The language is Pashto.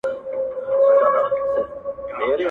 اې ه سترگو کي کينه را وړم.